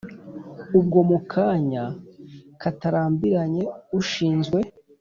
ubwo mukanya katarambiranye ushinzwe